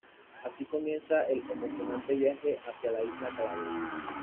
Así comienza el emocionante viaje hacia la Isla Calavera.